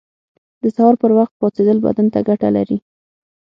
• د سهار پر وخت پاڅېدل بدن ته ګټه لري.